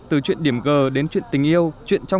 từ chuyện điểm gờ đến chuyện tình yêu